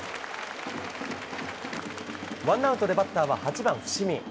ワンアウトでバッターは８番、伏見。